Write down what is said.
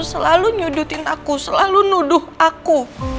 selalu nyudutin aku selalu nuduh aku